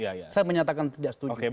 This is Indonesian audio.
saya menyatakan tidak setuju